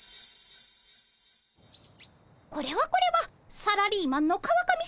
これはこれはサラリーマンの川上さま。